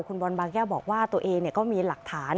คุณบอลบางแก้วบอกว่าตัวเองก็มีหลักฐาน